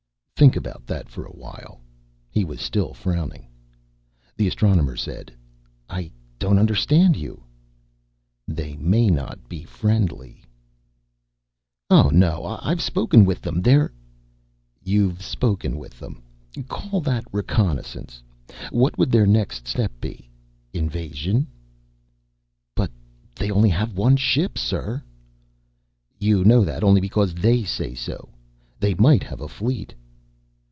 "Think about that for a while." He was still frowning. The Astronomer said, "I don't understand you." "They may not be friendly." "Oh, no. I've spoken with them. They've " "You've spoken with them. Call that reconnaissance. What would their next step be? Invasion?" "But they only have one ship, sir." "You know that only because they say so. They might have a fleet."